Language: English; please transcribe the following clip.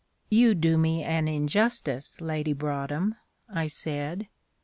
"You do me an injustice, Lady Broadhem," I said.